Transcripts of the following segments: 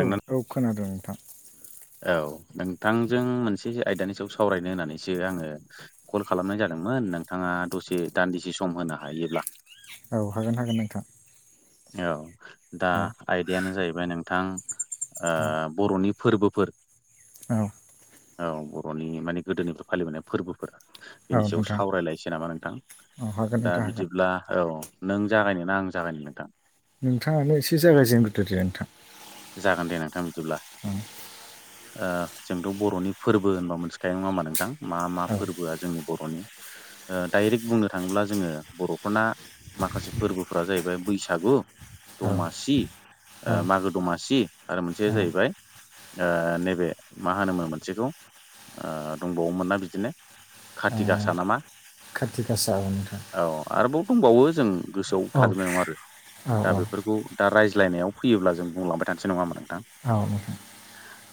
औ औ खोनादों नोंथां औ नोंथांजों मोनसे आयदानि सायाव सावरायनो होननानैसो आङो कल खालामनाय जादोंमोन नोंथाङा दसे दान्दिसे सम होनो हायोब्ला। औ हागोन हागोन नोंथां। औ दा औ आयदायानो जाहैबाय नोंथां ओ बर'नि फोरबोफोर औ औ बर'नि माने गोदोनिफ्राय फालिबोनाय फोरबोफोर औ बेनि सायाव नोंथां सावरायलायनोसै नामा नोंथां औ हागोन दा नोंथां हागोन बिदिब्ला औ नों जागायनो ना आं जागायनो नोंथां नोंथाङानो एसे जागाय जेनगायजेनग्रोदो दे नोंथां जागोन दे नोंथां बिदिब्ला। औ ओ जोंथ' बर'नि फोरबो होनबा मोनथिखायो नङा होनबा नोंथां। मा मा फोरबोआ जोंनि बर'नि ओ डाइरेक्ट बुंनो थाङोब्ला जोङो बर'फोरना माखासे फोरबोफोरा जाहैबाय बैसागु औ दमासि ओ‌ मागो दमासि आरो मोनसेया औ जाहैबाय ओ नैबे मा होनोमोन मोनसेखौ ओ दंबावोमोन ना बिदिनो ओ खाथि गासा नामा खाथि गासा औ नोंथां। औ आरोबाव दंबावो जों गोसोआव औ थाजोबनाय नङा आरो औ दा बेफोरखौ दा रायज्लायनायाव फैयोब्ला जों बुंलांबाय थानोसै नङा होमबा नोंथां। औ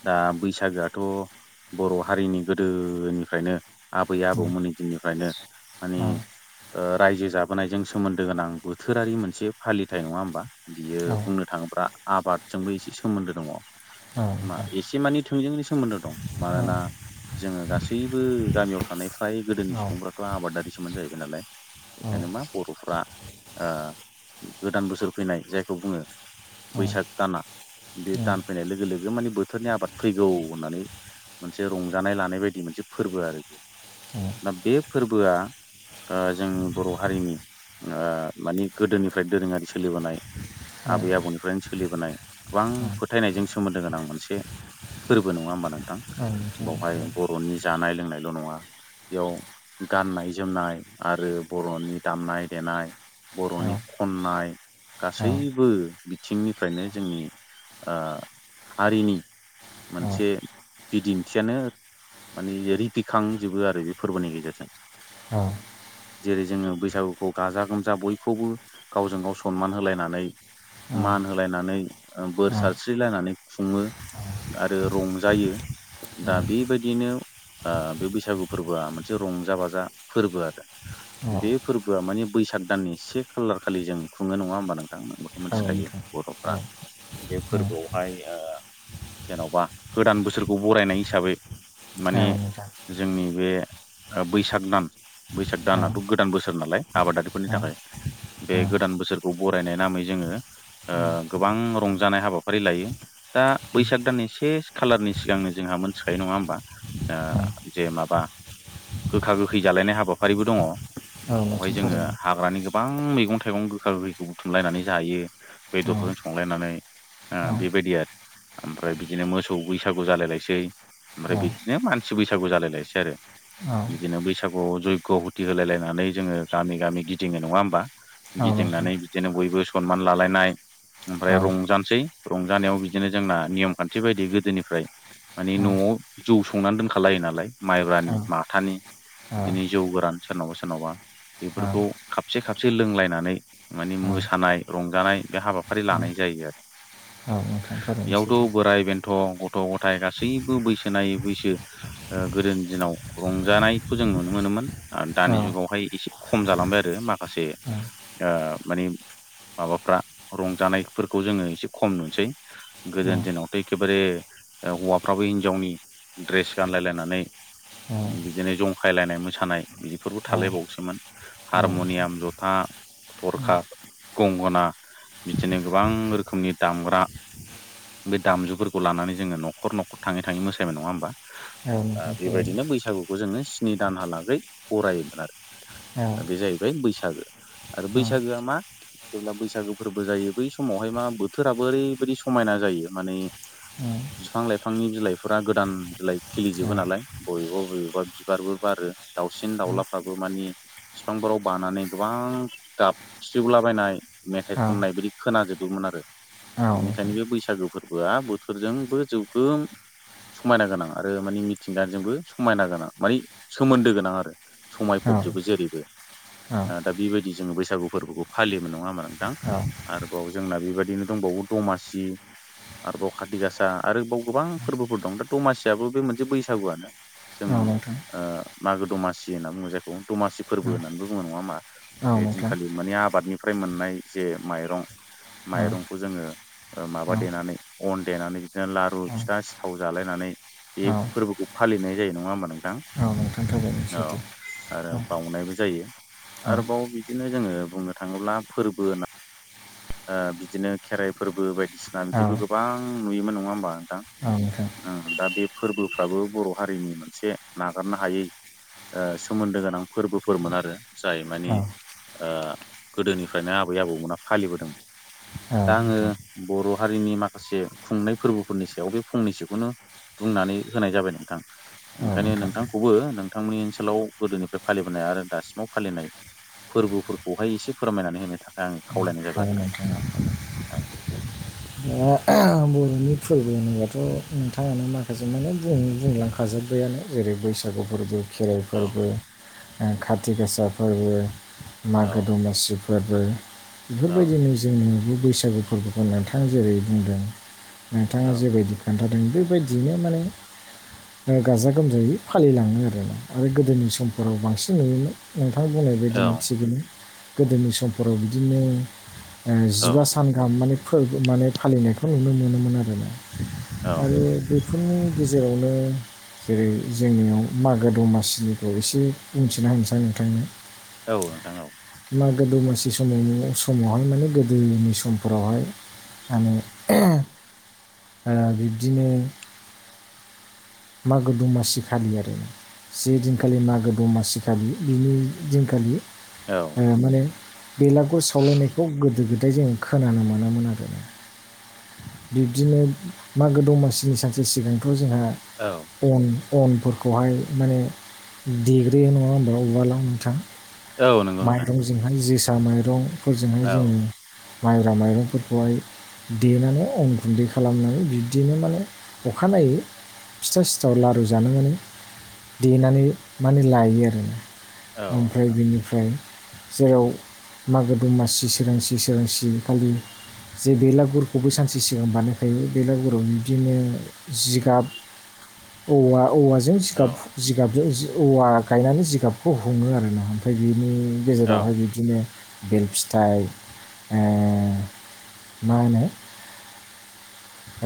दा बैसागोआथ' बर' हारिनि गोदोनिफ्रायनो आबै औ नोंथां औ आबौमोननि दिननिफ्रायनो माने रायजो जाबोनायजों सोमोन्दो गोनां बोथोरारि मोनसे फालिथाय नङा होमबा। बियो बुंनो थाङोब्ला आबादजोंबो एसे सोमोन्दो दङ। मा एसे मानि थोंजों सोमोन्दो दं मानोना जोङो गासैबो गामियाव थानाय फ्राय गोदोनि सुबुंफ्राथ' आबादारिसोमोन जाहैबाय नालाय। बेखायनो मा बर'फ्रा ओ गोदान बोसोर फैनाय जायखौ बुङो बैसाग दाना बे दान फैनाय लोगो लोगो बे माने बोथोरनि आबाद फैगौ होननानै मोनसे रंजानाय लानाय बायदि मोनसे फोरबो आरो बेयो दा बे फोरबोआ ओ जोंनि बर' हारिनि माने गोदोनिफ्राय दोरोङारि सोलिबोनाय आबै आबौनिफ्रायनो सोलिबोनाय गोबां औ फोथायनायजों सोमोन्दो गोनां मोनसे फोरबो नङा होमबा नोंथां बावहाय बर'नि जानाय लोंनायल' नङा बेयाव गाननाय जोमनाय आरो बर'नि दामनाय देनाय बर'नि खननाय गासैबो बिथिंनिफ्रायनो जोंनि ओ हारिनि मोनसे बिदिन्थियानो माने रिपिखांजोबो आरो बे फोरबोनि गेजेरजों जेरै जोङो बैसागुखौ गाजा गोमजा बयखौबो गावजों गाव सनमान होलायनानै मान होलायनानै ओ बोर सारस्रिलायनानै खुङो आरो रंजायो दा बेबायदिनो ओ बे बैसागु फोरबोआ मोनसे रंजा बाजा फोरबो आरो बे फोरबोआ मानि बैसाग दाननि से खालार खालि जों खुङो नङा होमबा नोंथां नोंबोथ' मोनथिखायो। नोंथां बर'फ्रा बे औ औ फोरबोआवहाय ओ जेन'बा गोदान बोसोरखौ बरायनाय हिसाबै औ माने नोंथां जोंनि बे बैसाग दान बैसाग औ दानाथ' गोदान बोसोर नालाय आबादारिफोरनि औ थाखाय बे औ गोदान बोसोरखौ बरायनाय नामै जोङो ओ गोबां रंजानाय हाबाफारि लायो। दा बैसाग दाननि से खालारनि सिगांनो जोंहा मोनथिखायो नङा होमबा ओ औ जे माबा गोखा गोखै जालायनाय हाबाफारिबो दङ औ बावहाय नोंथां जोङो थारैनो हाग्रानि गो गोबां मैगं थाइगं गोखा गोखैखौ बुथुमलायनानै जायो औ बेदरफोरजों संलायनानै ओ औ बेबायदि आरो ओमफ्राय बिदिनो मोसौ बैसागु जालायलायसै औ ओमफ्राय बिदिनो मानसि बैसागु जालायलायसै आरो औ बिदिनो बैसागुआव जयग' हुथि होलायलायनानै जोङो गामि गामि गिदिङो नङा होमबा नोंथां औ औ औ गिदिंनानै बिदिनो बयबो सनमान लालायनाय ओमफ्राय रंजानोसै रंजानायाव बि बिदिनो जोंना नियम खान्थि बायदियै गोदोनिफ्राय मानि न'आव जौ संनानै दोनखालायो नालाय माइब्रानि माथानि बिदिनो जौ गोरान सोरनावबा सोरनावबा बेफोरखौ खाबसे खाबसे लोंलायनानै माने मोसानाय रंजानाय बे हाबाफारि लानाय जायो आरो औ औ नोंथां थारैनो सैथो औ नोंथां थारैनो औ नोंथां औ नोंथां औ नोंथां औ नोंथां थारैनो सैथो बेयावथ' बोराइ बेन्थ' गथ' गथाय गासैबो बैसो नायै बैसो ओ गोदोनि दिनाव रंजानायखौ जों नुनो मोनोमोन आरो दानि जुगावहाय एसे खम जालांबाय आरो माखासे ओ माने माबाफ्रा रंजानायफोरखौ जोङो एसे खम नुसै गोजोनि दिनावथ' एखेबारे ओ हौवाफ्राबो हिनजावनि ड्रेस गानलायलायनानै बिदिनो जंखायलायनाय मोसानाय बिफोरबो थालायबावसोमोन हारम'नियाम ज'था थरखा गंगना बिदिनो गोबां रोखोमनि दामग्रा बे दामजुफोरखौ लानानै जोंङो न'खर न'खर थांङै थांङै मोसायोमोन नंङा होमबा दा बेबायदिनो बैसागु खौ जोंङो स्नि दानहालागै बरायोमोन आरो बे जाहै बाय बैसागो आरो बैसागोआ मा जेब्ला बैसागो फोरबो जायो। बै समावहाय मा बोथोराबो ओरैबायदि समायना जायो माने बिफां लाइफांनि बिलाइफोरा गोदान बिलाइ खिलिजोबो नालाय बबेबा बबेबा बिबारबो बारो दाउसिन दाउलाफ्राबो माने फिफांफोराव बानानै गोबां गाब स्रिउलाबायनाय मेथाइ खननाय बिदि खोनाजोबोमोन आरो खायनो बे बैसागो फोरबोआ बोथोरजोंबो जौगोम समायना गोनां आरो मानि मिथिंगाजोंबो समायना गोनां मानि सोमोन्दो गोनां आरो समायफबजोबो जेरैबो ओ दा बेबायदि जोंङो बैसागु फोरबोखौ फालियोमोन नंङा होमबा नोंथां आरोबाव जोंना बेबायदिनो दंबावो दमासि आरोबाव खाथि गासा आरोबाव गोबां फोरबोफोर दं दा दमासियाबो बे मोनसे बैसागुआनो जों मागो दमासि होनना बुंजाय बे दमासि फोरबो होननानै बुंङो नंङा होमबा बे दिनखालि माने आबादनिफ्राय मोननाय जे माइरं माइरंखौ जोंङो माबा देनानै अन देनानै बिदिनो लारु फिथा सिथाव जालायनानै बे फोरबोखौ फालिनाय जायो। नंङा होमबा नोंथां औ आरो औ बावनायबो जायो। औ आरोबाव बिदि बिदिनो जोंङो बुंनो थांङोब्ला फोरबो होन बिदिनो खेराइ फोरबो बायदिसिना बिदिबो गोबां नुयोमोन नंङा होमबा नोंथां [inaudible] दा बे फोरबोफ्राबो बर' हारिनि मोनसे नागारनो हायै सोमोन्दो गोनां फोरबोफोरमोन आरो जाय मानि औ ओ गोदोनिफ्रायनो आबै आबौमोना फालिबोदों। औ दा आंङो नोंथां बर' हारिनि माखासे खुंनाय फोरबोफोरनि सायाव बे फंनैसोखौनो बुंनानै होनाय जाबाय नोंथां औ ओंखायनो नोंथां नोंथांखौबो नोंथांमोननि ओनसोलाव गोदोनिफ्राय फालिबोनाय आरो दासिमाव फालिनाय फोरबोफोरखौहाय एसे फोरमायनानै होनो थाखाय आं खावलायनाय जाबाय आरो हागोन नोंथां औ औ दा बर'नि फोरबो होनोबाथ' नोंथांङानो माखासे माने बुं बुंलांखाजोब्बायानो जेरै बैसागु फोरबो खेराइ औ फोरबो खाथि गासा फोरबो औ मागो दमासि फोरबो बेफोरबायदिनो जों न बैसागु फोरबोखौ नोंथां जेरै बुंदों। नोंथांङा जेबायदि खोन्थादों बेबायदियैनो माने गाजा गोमजायै फालिलांङो आरो आरो गोदोनि समफोराव बांसिन नुयोमोन नोंथांङा बुंनाय बेबायदिनो थिगैनो गोदोनि समफोराव बिदिनो जिबा सान गाहाम माने फोरबो माने फालिनायखौ नुनो मोनोमोन आरोना औ आरो बे बेफोरनि गेजेरावनो जेरै जोंनियाव मागो दमासिनिखौ एसे बुंथिना होनोसै नोंथांनो औ नोंथां औ मागो दमासि समावनो समावहाय माने गोदोनि समफोरावहाय माने बिब्दिनो मागो दमासि खालि आरो ना जे दिनखालि मागो दमासि खालि बिनि दिनखालि औ माने बेलागुर सावलायनायखौ गोदो गोदाय जों खोनानो मोनामोन आरो बिब्दिनो मागो दमासिनि सानसे सिगांथ' जोंहा औ अन अनफोरखौहाय माने देग्रोयो नङा होमबा उवालाव नोंथां नोंथां माइरंजोंहाय जोसा माइरंफोरजोंहाय औ जोङो माइब्रा माइरंफोर खौहाय देनानै अन गुन्दै खालामनानै बिब्दिनो माने अखानायै फिथा सिथाव लारु जानो माने देनानै माने लायो आरो औ नंगौ नोंथां औ ओमफ्राय नोंथां बिनि ओमफ्राय जेराव मागो दमासि सोरांसि सोरांसि खालि जे बेलागुरखौबो सानसे सिगां बानायखायो बेलागुराव बिदिनो जिगाब औवा औवाजों औ जिगाब जिगाबजों औवा गायनानै जिगाबखौ हुङो आरोना ओमफ्राय बेनि औ गेजेरावहाय बिदिनो बेल फिथाइ ओ मा होनो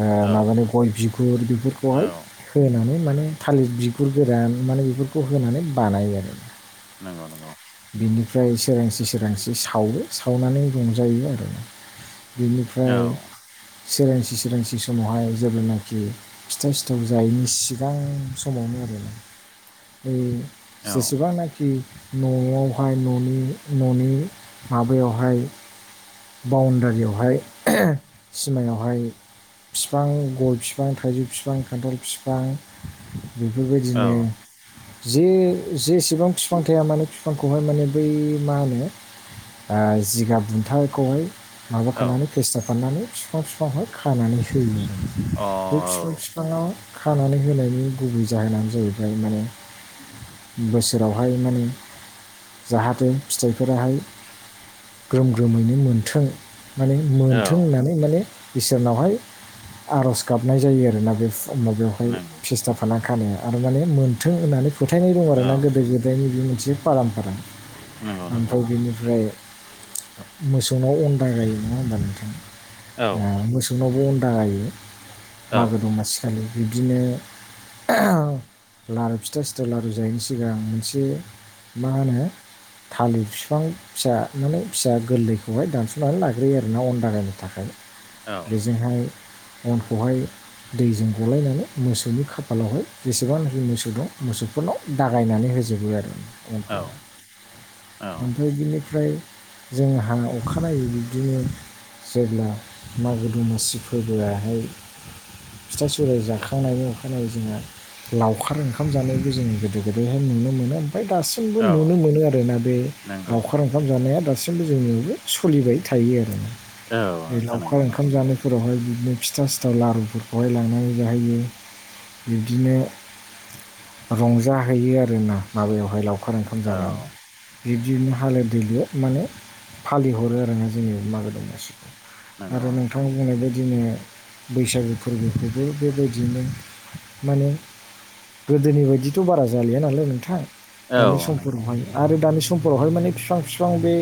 ओ औ माबानाय गय बिगुर बेफोरखौहाय औ होनानै माने थालिर बिगुर गोरान माने बेफोरखौ होनानै बानायो आरो नोंगौ नंगौ बेनिफ्राय सोरांसि सोरांसि सावो सावनानै रंजायो आरो औ बेनिफ्राय सोरां सि सोरांसि समावहाय जेब्लानाखि फिथा सिथाव जायैनि सिगां समावनो आरो बै औ जेसेबांनाखि न'आवहाय न'नि न'नि माबायावहाय बाउणडारियावहाय सिमायावहाय बिफां गय बिफां थाइजौ बिफां खान्थाल फिफां औ बेफोरबायदिनो जे जेसेबां बिफां थाया माने बिफांखौहाय माने बै मा होनो आ जिगाब बुनथाखौहाय अ माबाखानानै फेस्था फाननानै बिफां बिफांहाय खानानै होयो बे बिफां फाङाव खानानै होनायनि गुबै जाहोनानो जाहैबाय माने बोसोरावहाय माने जाहाथे फिथाइफोराहाय ग्रोम ग्रोमैनो मोनथों माने औ मोनथों औ होननानै माने इसोरनावहाय आर'ज गाबनाय जायो आरोना बे माबायावहाय नंगौ फेस्था खाना खानो आरो माने मोनथों होननानै फोथायनाय दं औ आरो ना गोदो गोदायनि बे मोनसे फाराम फारा नंगौ नंगौ ओमफ्राय बेनिफ्राय मोसौनाव [unintelligible] नङा होमबा नोंथां औ मोसौनावबो अन्दा गायो औ मागो दमासिखालि बिब्दिनो लारु फिथा सिथाव लारु जायैनि सिगां मोनसे मा होनो थालिर बिफां फिसा माने फिसा गोरलैखौहाय दानस'नानै लाग्रोयो आरोना अनन्दारायनो थाखाय औ बेजोंहाय अनखौहाय दैजों गलायनानै मोसौनि खाफालावहाय जेसेबांखि मोसौ दं मोसौफोरनाव दागायनानै होजोबो आरो औ औ ओमफ्राय ओइ बिनिफ्राय जोंहा अखानायै बिब्दिनो जेब्ला मागो दमासि फोरबोआहाय फिथा सुराइ जाखांनायनि अखानायै जोंहा लावखार ओंखाम जानायबो जों गोदो गोदायहाय नुनो मोनो ओमफ्राय दासो जोंबो औ नुनो मोनो आरोना बे नंगौ लावखार ओंखाम जानाया दासिमबो जोंनियावबो सोलिबाय थायो आरो ना औ नोंथां लावखार नंगौ ओंखाम नंगौ जानायफोरावहाय बिदिनो फिथा सिथाव लारुफोरखौहाय लांनानै जाहैयो बिब्दिनो रंजाहैयो आ रोना माबायावहाय लावखार ओंखाम औ जाना बिदिनो हालो दैलो माने फालिहरो आरोना जोंनि मागो दमासिखौ आरो नोंथां बुंनाय बायदिनो बैसागु फोरबोखौबो बेबायदियनो माने गोदोनि बायदिथ' बारा जालिया नालाय नोंथां औ दानि नंगौ समफोरावहाय आरो दानि समफोरावहाय माने बिफां बिफां बे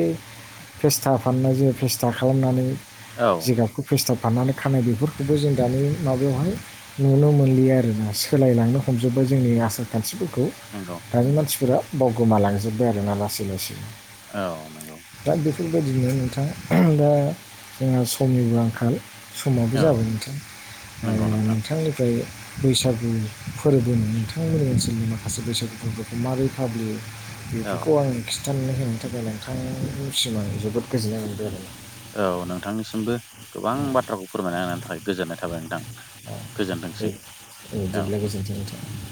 फेस्था फाननाय जोङो फेस्था खालामनानै औ फेस्था फाननानै खानाय बेफोरखौबो जों दानि माबायावहाय नुनो मोनलिया आरोना सोलायलांनो हमजोब्बाय जोंनि आसार खान्थिफोरखौ नंगौ दानि नंगौ मानसिफोरा बावगोमालांजोब्बाय आरोना लासै लासैनो औ नंगौ दा बेफोरबायदिनो नोंथाङा दा जोंहा समनिबो आंखाल समाबो औ जाबाय नोंथां नंगौ नोंथां नोंथांनिफ्राय बैसागु फोरबोनि नोंथांमोननि ओनसोलनि माखासे बैसागु फोरबोखौ माबोरै फालियो औ बेफोरखौ आं खिथानानै होनो थाखाय नोंथांनिसिम आं जोबोद गोजोननाय मोनदों आरो औ नोंथांनिसिमबो गोबां बाथ्राखौ फोरमायना होनायनि थाखाय गोजोननाय थाबाय नोंथां गोजोनथोंसै दे औ बिदिब्ला नोंथां